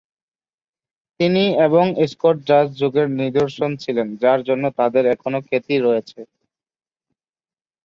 তিনি এবং Scott jazz যুগের নিদর্শন ছিলেন, যার জন্য তাদের এখনো খ্যাতি রয়েছে।